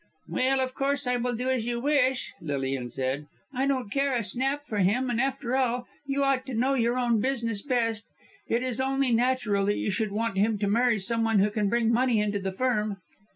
"Well, of course I will do as you wish," Lilian said. "I don't care a snap for him; and, after all, you ought to know your own business best! It is only natural that you should want him to marry some one who can bring money into the Firm."